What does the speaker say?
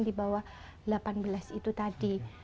di bawah delapan belas itu tadi